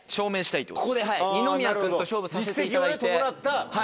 二宮君と勝負させていただいて。